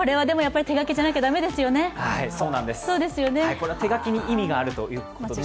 これは手書きに意味があるということです。